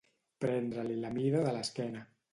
Prendre-li la mida de l'esquena.